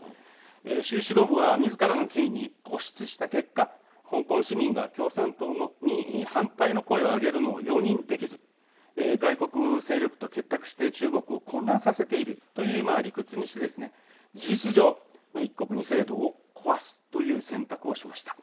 習指導部はみずからの権威に固執した結果香港市民が共産党に反対の声を上げるのを容認できず外国勢力と結託して中国を混乱させているという理屈にして、事実上一国二制度を壊すという選択をしました。